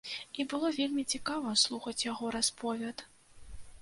І было вельмі цікава слухаць яго расповед.